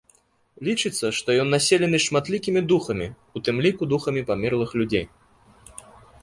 Лічыцца, што ён населены шматлікімі духамі, у тым ліку духамі памерлых людзей.